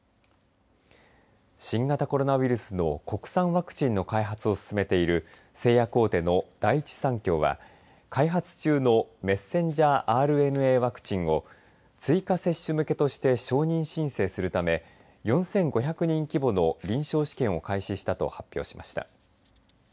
新型コロナウイルスの国産ワクチンの開発を進めている製薬大手の第一三共は開発中のｍＲＮＡワクチンを追加接種向けとして承認申請するため４５００人規模の臨床試験を開始したと発表しました。